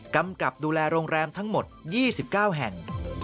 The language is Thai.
กำกับดูแลโรงแรมทั้งหมด๒๙แห่ง